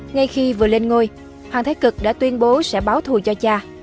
ngay khi vừa lên ngôi hoàng thái cực đã tuyên bố sẽ báo thù cho cha